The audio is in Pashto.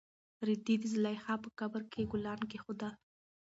رېدي د زلیخا په قبر کې ګلان کېښودل.